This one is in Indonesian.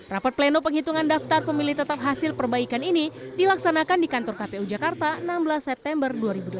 rapat pleno penghitungan daftar pemilih tetap hasil perbaikan ini dilaksanakan di kantor kpu jakarta enam belas september dua ribu delapan belas